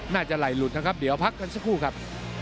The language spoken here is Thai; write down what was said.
ไหลหลุดนะครับเดี๋ยวพักกันสักครู่ครับ